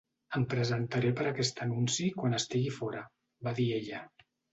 "Em presentaré per a aquest anunci quan estigui fora", va dir ella.